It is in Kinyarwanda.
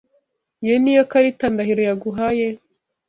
Iyo niyo karita Ndahiro yaguhaye?